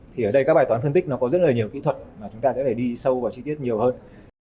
thì ở đây các bài toán phân tích nó có rất là nhiều kỹ thuật mà chúng ta sẽ phải đi sâu vào chi tiết nhiều hơn